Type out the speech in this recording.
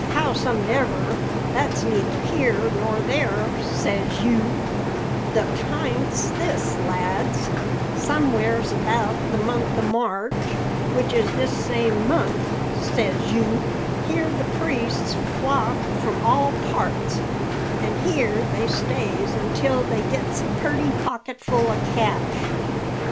Howsomedever, that's neither here nor there, says you; the p'int's this, lads: Somewheres about the month o' March, which is this same month, says you, here the priests flocks from all parts, an' here they stays until they gets a purty pocketful o' cash.